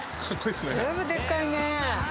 ずいぶんでっかいね。